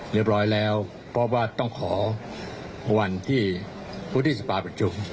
เรียบร้อยแล้วเพราะว่าต้องขอวันที่พุทธิสภาประชุม